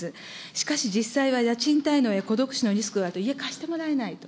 しかし、実際は家賃滞納や孤独死のリスクと、家貸してもらえないと。